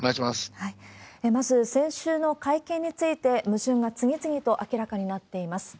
まず、先週の会見について、矛盾が次々と明らかになっています。